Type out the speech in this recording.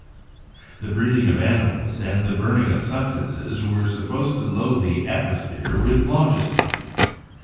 The breathing of animals and the burning of substances were supposed to load the atmosphere with phlogiston.